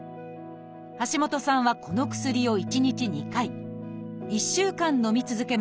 橋下さんはこの薬を１日２回１週間のみ続けました。